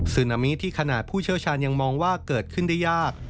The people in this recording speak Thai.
นามิที่ขนาดผู้เชี่ยวชาญยังมองว่าเกิดขึ้นได้ยาก